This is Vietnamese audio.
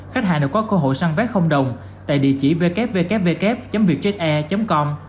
khách hàng được có cơ hội săn vé đồng tại địa chỉ www vietjetair com